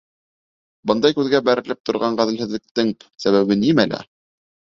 Бындай күҙгә бәрелеп торған ғәҙелһеҙлектең сәбәбе нимәлә?